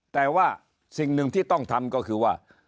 แต่ว่าสิ่งหนึ่งที่ต้องทำก็คือว่า